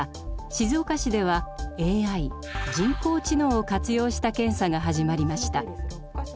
静岡市ではＡＩ人工知能を活用した検査が始まりました。